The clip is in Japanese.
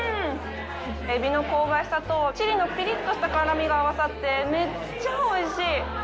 エビの香ばしさとチリのピリッとした辛みが合わさってめっちゃおいしい。